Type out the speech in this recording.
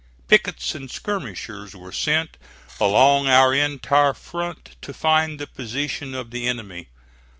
Pickets and skirmishers were sent along our entire front to find the position of the enemy.